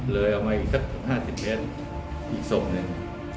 เลยออกมาอีกสัก๕๐เมตรอีกศพหนึ่ง